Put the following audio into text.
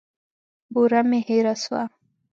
بوره مي هېره سوه .